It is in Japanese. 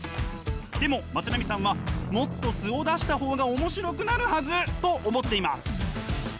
でもまつなみさんはもっと素を出した方が面白くなるはずと思っています。